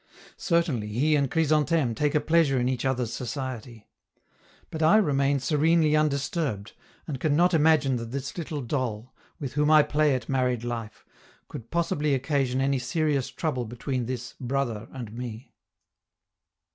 Certainly he and Chrysantheme take a pleasure in each other's society. But I remain serenely undisturbed, and can not imagine that this little doll, with whom I play at married life, could possibly occasion any serious trouble between this "brother" and me.